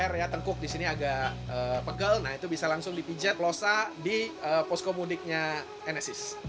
kalau yang sudah tengkuk di sini agak pegel itu bisa langsung dipijat pelosak di poskomuniknya nsis